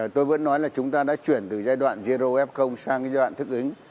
tôi vẫn nói là chúng ta đã chuyển từ giai đoạn zero f sang giai đoạn thức ứng